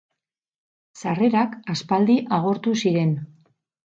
Sarrerak aspaldi agortu ziren.